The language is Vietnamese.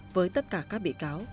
với tất cả các bị cáo